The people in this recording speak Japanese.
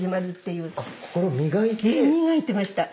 ええ磨いてました。